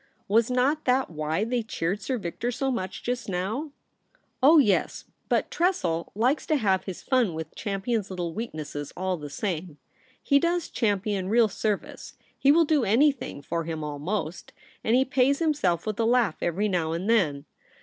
Was not that why they cheered Sir Victor so much just now ?*' Oh yes ; but Tressel likes to have his fun with Champion's little weaknesses all the same. He does Champion real service ; he will do anything for him almost, and he pays himself with a laugh every now and then.